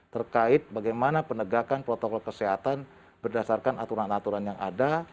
terkait bagaimana penegakan protokol kesehatan berdasarkan aturan aturan yang ada